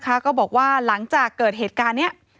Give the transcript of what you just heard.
ก็บอกว่าหลังจากเกิดเหตุการณ์นี้